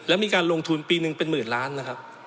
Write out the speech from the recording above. แล้วมีการลงทุนปีหนึ่งเป็นหมื่นล้านนะครับ